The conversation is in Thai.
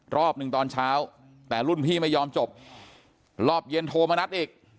รอบหนึ่งตอนเช้าแต่รุ่นพี่ไม่ยอมจบรอบเย็นโทรมานัดอีก